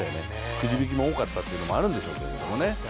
くじ引きも多かったというのもあるんでしょうけどね。